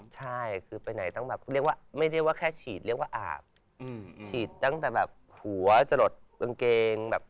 ฉีดตั้งแต่หัวจะหลดยังเกง